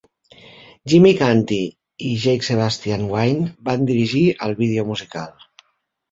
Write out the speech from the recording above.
Jim Canty i Jake-Sebastian Wynne van dirigir el vídeo musical.